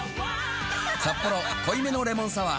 「サッポロ濃いめのレモンサワー」